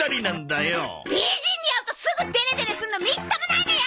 美人に会うとすぐデレデレするのみっともないのよ！